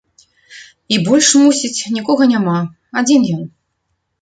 І больш, мусіць, нікога няма, адзін ён.